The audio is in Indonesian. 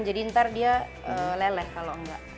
jadi ntar dia lelen kalau enggak